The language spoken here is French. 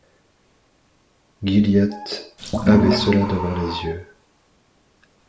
Gilliatt avait cela devant les yeux.